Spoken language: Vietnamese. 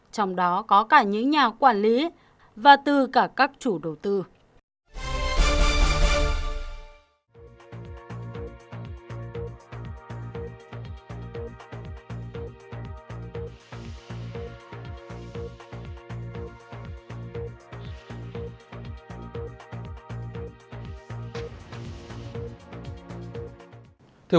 trong đó có cả những nhà quản lý và từ cả các chủ đầu tư